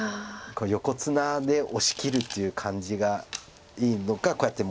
横綱で押しきるっていう感じがいいのかこうやって。